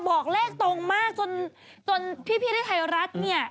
บอกเลขตรงมากจนจนพี่ที่ไทยรัฐเนี่ย